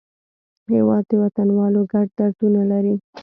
هېواد د وطنوالو ګډ دردونه لري.